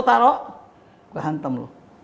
taruh gue hantam loh